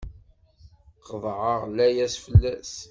Qeḍɛeɣ layas fell-as!